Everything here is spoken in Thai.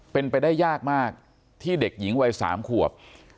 เป็นไปได้ยากมากที่เด็กหญิงวัย๓ขวบ